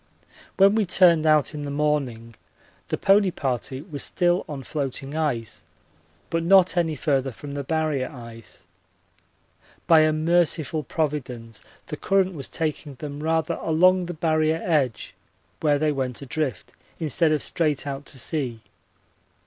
When we turned out in the morning the pony party was still on floating ice but not any further from the Barrier ice. By a merciful providence the current was taking them rather along the Barrier edge, where they went adrift, instead of straight out to sea.